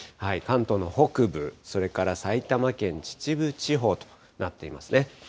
関東の北部、それから埼玉県秩父地方となっていますね。